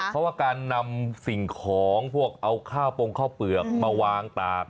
เพราะว่าการนำสิ่งของพวกเอาข้าวปงข้าวเปลือกมาวางตาก